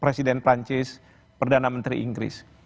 presiden perancis perdana menteri inggris